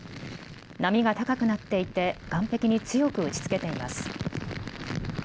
波が高くなっていて岸壁に強く打ちつけています。